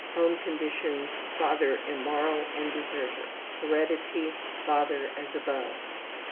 Home conditions: Father immoral and deserter. Heredity(?): Father as above.